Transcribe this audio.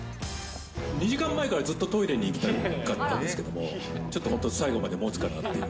２時間前からずっとトイレに行きたかったんですけど、ちょっと本当、最後までもつかなって。